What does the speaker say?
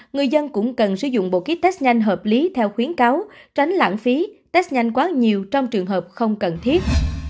người dân cũng cần sử dụng bộ ký test nhanh hợp lý theo khuyến cáo tránh lãng phí test nhanh quá nhiều trong trường hợp không cần thiết